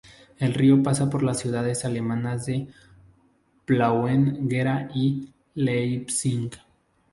El río pasa por las ciudades alemanas de Plauen, Gera y Leipzig.